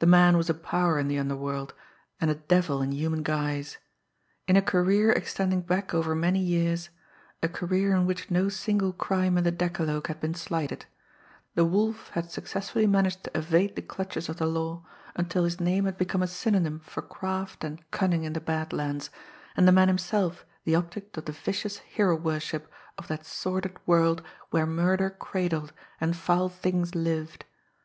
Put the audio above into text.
The man was a power in the underworld and a devil in human guise. In a career extending back over many years, a career in which no single crime in the decalogue had been slighted, the Wolf had successfully managed to evade the clutches of the law until his name had become a synonym for craft and cunning in the Bad Lands, and the man himself the object of the vicious hero worship of that sordid world where murder cradled and foul things lived.